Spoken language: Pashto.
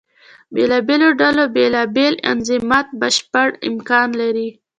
بېلابېلو ډلو بیلا بیل انظامات بشپړ امکان لري.